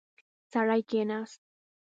سړی کېناست.